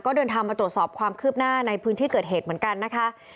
ก็เดินทางมาตรวจสอบความคืบหน้าในพื้นที่เกิดเหตุเหมือนกันนะคะ